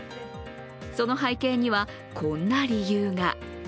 その背景には、こんな理由が。